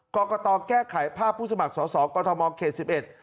กรกฏอแก้ไขภาพผู้สมัครสอสอกตมเขต๑๑